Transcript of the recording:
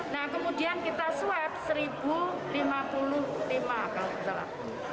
nah kemudian kita swab seribu lima puluh lima kalau tidak salah